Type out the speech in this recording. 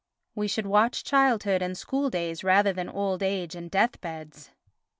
We should watch childhood and schooldays rather than old age and death beds.